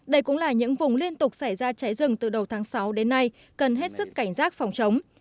đây cũng là những vùng liên tục xảy ra cháy rừng từ đầu tháng sáu đến nay cần hết sức cảnh giác phòng chống